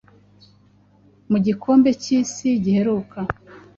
mu Gikombe cy'Isi giheruka